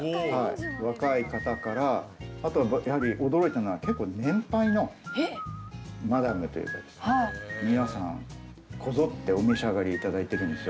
若い方から、あとはやはり驚いたのは、年配のマダムというか、皆さん、こぞってお召し上がりいただいてるんですよ。